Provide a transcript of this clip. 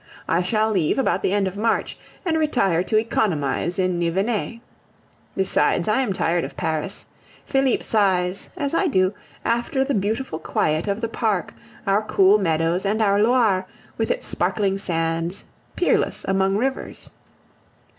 I shall leave about the end of March, and retire to economize in Nivenais. Besides, I am tired of Paris. Felipe sighs, as I do, after the beautiful quiet of the park, our cool meadows, and our Loire, with its sparkling sands, peerless among rivers.